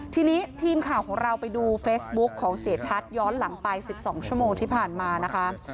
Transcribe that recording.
ทีนี้ทีมข่าวของเราไปดูเฟซบุ๊กของเสียชัดย้อนหลังไป๑๒ชั่วโมงที่ผ่านมานะคะ